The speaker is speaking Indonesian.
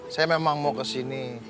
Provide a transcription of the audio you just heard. saya memang mau kesini